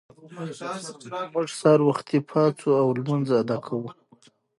موږ سهار وختي پاڅو او لمونځ ادا کوو